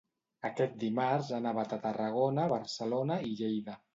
Aquest dimarts ha nevat a Tarragona, Barcelona i Lleida.